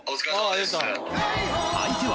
相手は